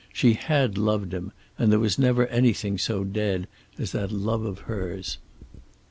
She had loved him, and there was never anything so dead as that love of hers.